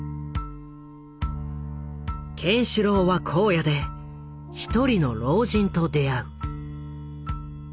ケンシロウは荒野で一人の老人と出会う。